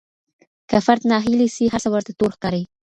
که فرد ناهيلي سي هر څه ورته تور ښکاري.